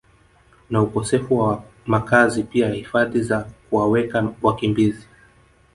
na ukosefu wa makazi pia hifadhi za kuwaweka wakimbizi